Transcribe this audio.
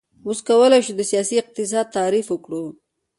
اوس کولی شو د سیاسي اقتصاد تعریف وکړو.